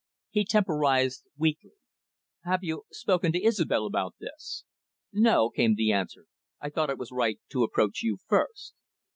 He temporised weakly. "Have you spoken to Isobel about this?" "No," came the answer. "I thought it was right to approach you first."